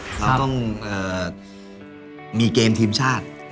เราต้องมีเกมทีมชาติ